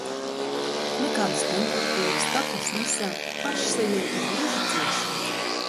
Nekādas temperatūras, kakls nesāp, pašsajūta gluži ciešama.